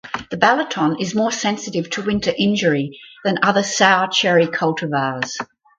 The Balaton is more sensitive to winter injury than other sour cherry cultivars.